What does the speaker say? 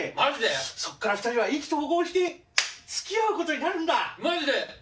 そっから２人は意気投合して付き合うことになるんだ。